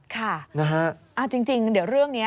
ค่ะนะฮะจริงเดี๋ยวเรื่องนี้